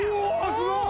すごい！